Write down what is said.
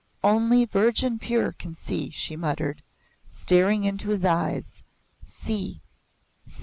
"Only virgin pure can see!" she muttered, staring into his eyes. "See!